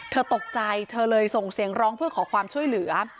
เธอตกใจเธอเลยส่งเสียงร้องเพื่อขอความช่วยเหลือ